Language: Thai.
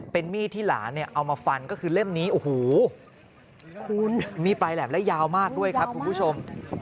เป็นมีดที่หลานเนี่ยเอามาฟันก็คือเล่มนี้โอ้โหคุณมีปลายแหลมและยาวมากด้วยครับคุณผู้ชม